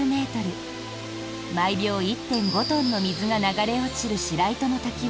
毎秒１．５トンの水が流れ落ちる白糸